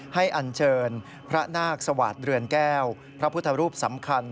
อันเชิญพระนาคสวาสเรือนแก้วพระพุทธรูปสำคัญ